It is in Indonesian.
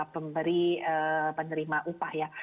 pemberi penerima upah ya